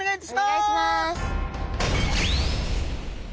お願いします。